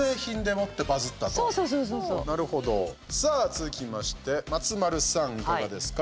続きまして、松丸さんいかがですか？